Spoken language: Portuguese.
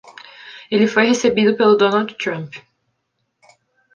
Ele foi recebido pelo Donald Trump.